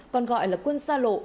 còn gọi là quân sa lộ